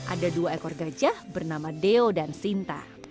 ada dua ekor gajah bernama deo dan sinta